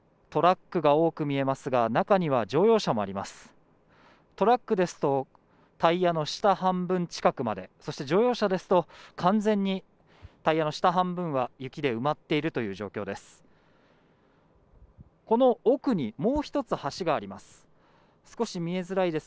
トラックですと、タイヤの下半分近くまで、そして乗用車ですと、完全にタイヤの下半分は雪で埋まっているという状況です。